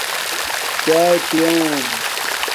چاݵے پِلوم